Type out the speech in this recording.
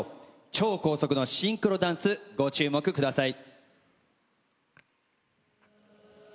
超高速のシンクロダンスご注目ください。